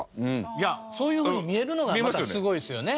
いやそういうふうに見えるのがまたすごいですよね。